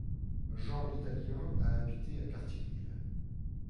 Jean L'italien a habité à Cartierville.